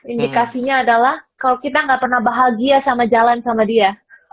indikasinya adalah kalau kita nggak pernah bahagia sama jalan sama dia